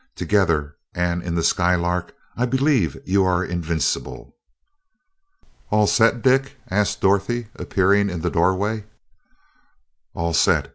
Together, and in the Skylark, I believe you invincible." "All set, Dick?" asked Dorothy, appearing in the doorway. "All set.